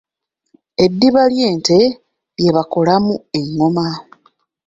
Eddiba ly'ente lye bakolamu engoma.